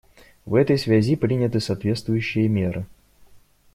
В этой связи приняты соответствующие меры.